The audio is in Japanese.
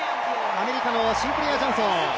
アメリカのシンクレア・ジョンソン。